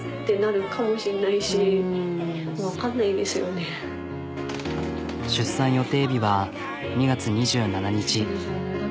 もう出産予定日は２月２７日。